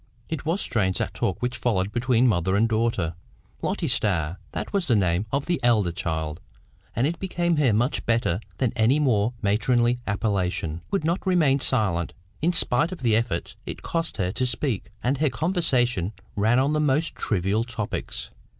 It was strange that talk which followed between mother and daughter. Lotty Starr (that was the name of the elder child, and it became her much better than any more matronly appellation), would not remain silent, in spite of the efforts it cost her to speak, and her conversation ran on the most trivial topics.